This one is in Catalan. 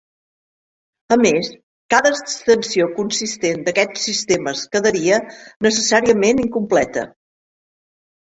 A més, cada extensió consistent d'aquests sistemes quedaria necessàriament incompleta.